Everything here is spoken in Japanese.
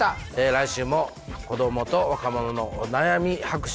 来週も子どもと若者のお悩み白書